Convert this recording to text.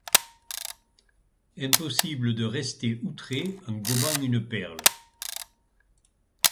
Impossible de rester outrée en gobant une perle.